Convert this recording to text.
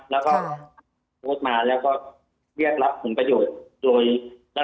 แล้วก็เรียกรับคุณประโยชน์